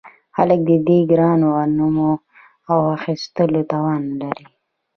خلک د دې ګرانو غنمو د اخیستلو توان نلري